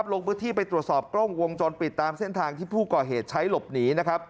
ลงพื้นที่ไปตรวจสอบกล้องวงจรปิดตามเส้นทางที่ผู้ก่อเหตุใช้หลบหนี